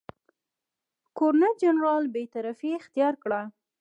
ګورنرجنرال بېطرفي اختیار کړه.